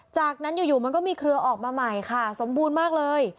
จากนั้นอยู่มันก็มีเครือออกมาใหม่ค่ะสมบูรณ์มากเลย